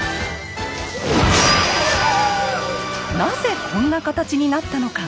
なぜこんな形になったのか。